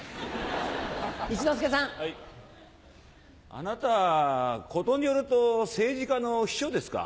あなた事によると政治家の秘書ですか？